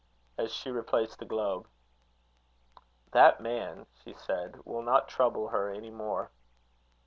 As she replaced the globe, "That man," she said, "will not trouble her any more."